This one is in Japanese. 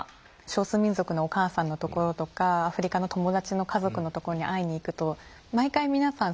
少数民族のお母さんのところとかアフリカの友達の家族のところに会いに行くと毎回皆さん